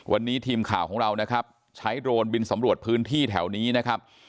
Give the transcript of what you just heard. วันนี้ทีมข่าวของเรานะครับใช้โดรนบินสำรวจพื้นที่แถวนี้นะครับ